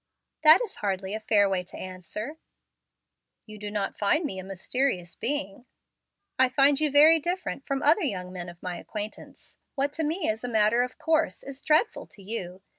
"That is hardly a fair way to answer." "You do not find me a mysterious being." "I find you very different from other young men of my acquaintance. What to me is a matter of course is dreadful to you.